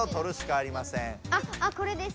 あこれです。